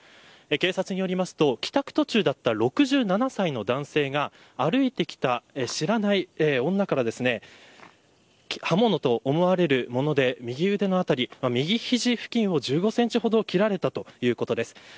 警察によりますと帰宅途中だった６７歳の男性が歩いてきた知らない女から刃物と思われるもので右腕の辺り右肘付近を１５センチほど切られたということです。